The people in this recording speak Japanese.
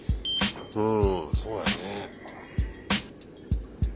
うんそうだよね。